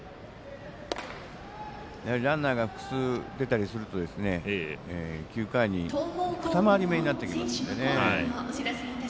やはりランナーが複数、出たりすると９回に２回り目になってきますからね。